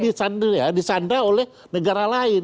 disandar oleh negara lain